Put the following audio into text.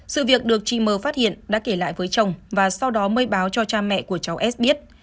sự việc được chị m phát hiện đã kể lại với chồng và sau đó mới báo cho cha mẹ của cháu s biết